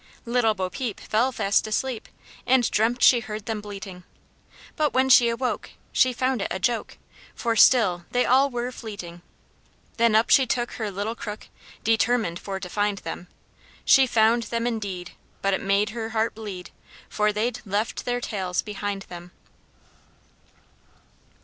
Little Bo peep fell fast asleep, And dreamt she heard them bleating; But when she awoke, she found it a joke, For still they all were fleeting. Then up she took her little crook, Determin'd for to find them; She found them indeed, but it made her heart bleed, For they'd left their tails behind them.